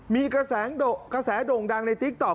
มีกระแสโด่งดังในติ๊กต๊อ